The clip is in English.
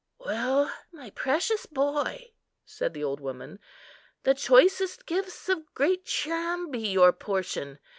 "Well, my precious boy," said the old woman, "the choicest gifts of great Cham be your portion!